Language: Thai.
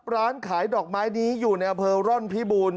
ร้านอ้านขายดอกไม้นี้อยู่ในอเภรี่อะเวิร์ร่อนพิบูรณ์